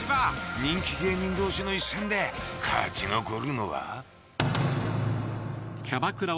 人気芸人どうしの一戦で勝ち残るのは？